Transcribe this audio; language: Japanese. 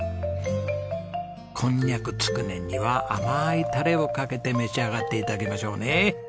こんにゃくつくねには甘いタレをかけて召し上がって頂きましょうね。